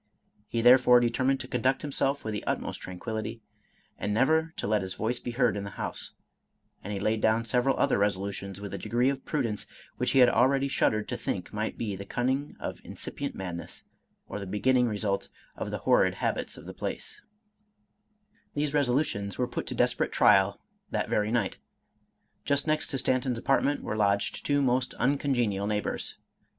He therefore determined to conduct himself with the utmost tranquillity, and never to let his voice be heard in the house ; and he laid down several other resolutions with a degree of prudence which he already shuddered to think might be the cunning of incipient madness, or the begin ning result of the horrid habits of the place. 190 Charles Robert Maturin These resolutions were put to desperate trial that very night. Just next to Stanton's apartment were lodged two most uncongenial neighbors.